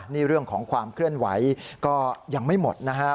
นี่เรื่องของความเคลื่อนไหวก็ยังไม่หมดนะครับ